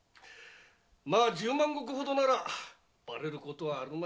まあ十万石ほどならばれることはあるまい。